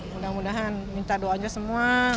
mudah mudahan minta doanya semua